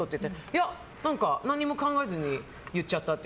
いや、何か何にも考えずに言っちゃったって。